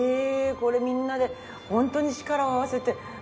これみんなでホントに力を合わせてはあ。